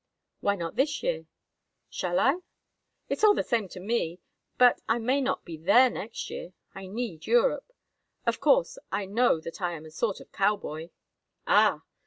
"Why not this year?" "Shall I?" "It is all the same to me, but I may not be there next year. I need Europe. Of course, I know that I am a sort of cowboy." "Ah!"